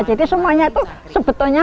jadi semuanya itu sebetulnya mengandung